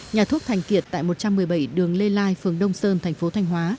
nhà thuốc thành kiệt tại một trăm một mươi bảy đường lê lai phường đông sơn thành phố thanh hóa